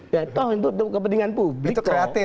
ya toh itu kepentingan publik itu kreatif